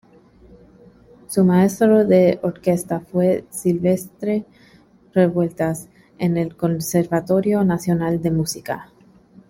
Su maestro de orquesta fue Silvestre Revueltas en el Conservatorio Nacional de Música.